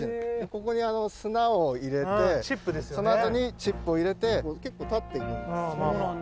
ここに砂を入れてそのあとにチップを入れて結構立っていくんですね。